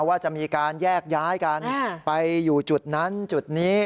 ว่าจะมีการแยกย้ายกันไปอยู่จุดนั้นจุดนี้